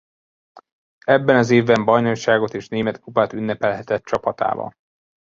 Ebben az évben bajnokságot és német kupát ünnepelhetett csapatával.